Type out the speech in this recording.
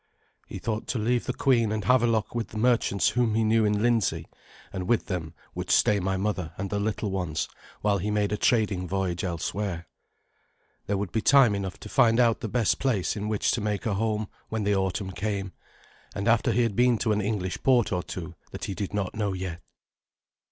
He thought to leave the queen and Havelok with merchants whom he knew in Lindsey, and with them would stay my mother and the little ones while he made a trading voyage elsewhere. There would be time enough to find out the best place in which to make a home when the autumn came, and after he had been to an English port or two that he did not know yet.